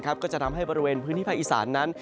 ก็จะทำให้บริเวณพื้นที่ภาคอีสานนั้น